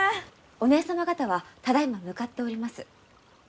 お姐様方はただいま向かっております。